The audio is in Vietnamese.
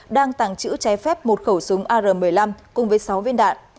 đang tàng trữ trái phép một khẩu súng ar một mươi năm cùng với sáu viên đạn